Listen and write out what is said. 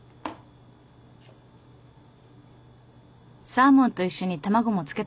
「サーモンと一緒に卵も漬けてみました。